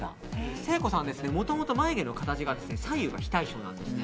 誠子さんはもともと眉毛の形が左右が非対称なんですね。